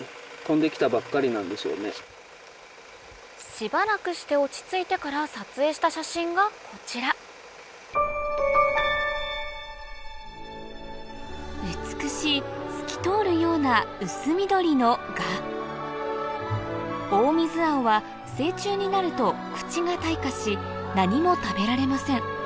しばらくして落ち着いてから撮影した写真がこちら美しい透き通るような薄緑のガオオミズアオは成虫になると口が退化し何も食べられません